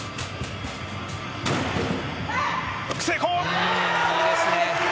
成功！